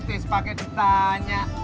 stis pake ditanya